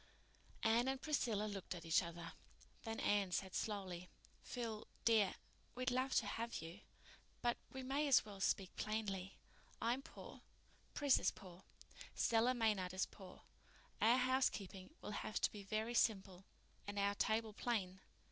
Anne and Priscilla looked at each other. Then Anne said slowly, "Phil dear, we'd love to have you. But we may as well speak plainly. I'm poor—Pris is poor—Stella Maynard is poor—our housekeeping will have to be very simple and our table plain.